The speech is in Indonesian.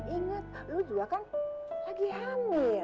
ingat lu juga kan lagi hamil